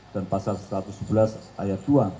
dan pasal satu ratus sebelas ayat dua